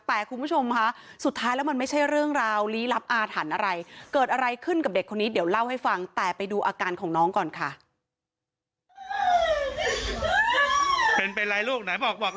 เป็นอะไรลูกไหนบอกลูกไหน